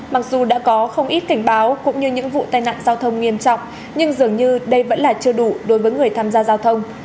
mặc dù đã có không ít cảnh báo cũng như những vụ tai nạn giao thông nghiêm trọng nhưng dường như đây vẫn là chưa đủ đối với người tham gia giao thông